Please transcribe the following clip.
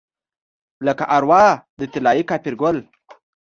لکه اروا د طلايي کاپرګل